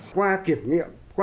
qua kiểm nghiệm